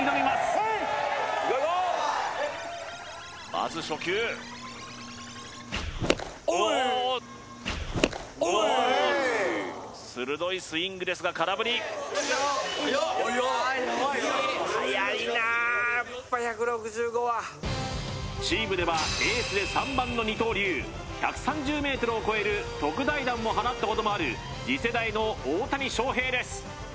まず初球おおーっ鋭いスイングですが空振りチームではエースで３番の二刀流１３０ｍを超える特大弾も放ったこともある次世代の大谷翔平です